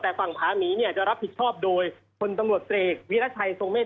แต่ฝั่งพระมีเนี่ยจะรับผิดชอบโดยคนตำรวจเตรกวิรัตน์ไทยโทรเมตร